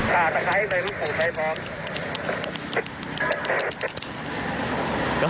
อาตะไนท์ใส่รูปหน่อยพร้อม